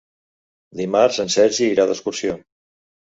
Dimarts en Sergi irà d'excursió.